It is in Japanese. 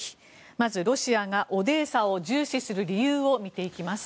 まずロシアがオデーサを重視する理由を見ていきます。